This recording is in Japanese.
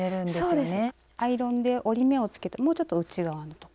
アイロンで折り目をつけたもうちょっと内側のとこ。